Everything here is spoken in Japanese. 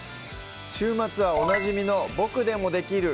週末はおなじみの「ボクでもできる！